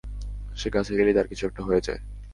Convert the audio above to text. সে কাছে গেলেই তার কিছু একটা হয়ে যায়।